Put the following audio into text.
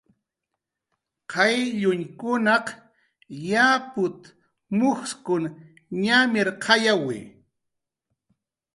"Qayllunkunaq yaput"" mujskun ñamirqayawi"